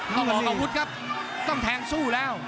ต้องออกอาวุธครับต้องแทงสู้แล้ว